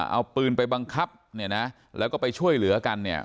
เอาปืนไปบังคับแล้วก็ไปช่วยเหลือกัน